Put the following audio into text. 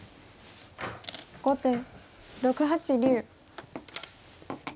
後手６八竜。